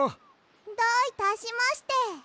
どういたしまして。